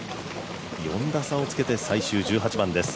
４打差をつけて、最終１８番です。